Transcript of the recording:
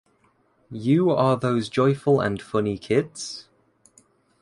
You are those joyful and funny kids?